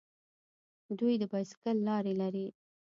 دوی د بایسکل لارې لري.